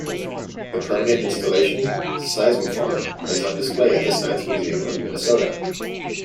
The permanent installation Seismofon is on display at the Science Museum of Minnesota.